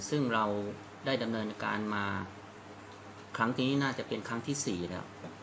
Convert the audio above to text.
ซึ่งเราได้ดำเนินการมาครั้งนี้น่าจะเป็นครั้งที่๔แล้ว